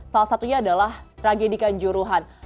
salah satunya adalah tragedikan juruhan